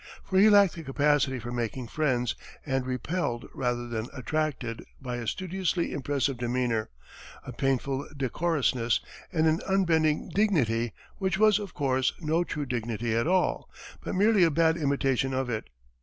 For he lacked the capacity for making friends, and repelled rather than attracted by a studiously impressive demeanor, a painful decorousness, and an unbending dignity, which was, of course, no true dignity at all, but merely a bad imitation of it.